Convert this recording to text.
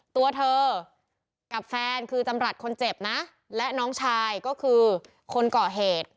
ตัวเธอกับแฟนคือจำรัฐคนเจ็บนะและน้องชายก็คือคนก่อเหตุ